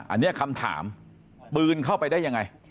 อันนี้คำถามปืนเข้าไปได้ยังไง